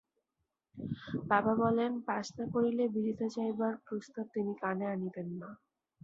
বাবা বলেন, পাস না করিলে বিলাতে যাইবার প্রস্তাব তিনি কানে আনিবেন না।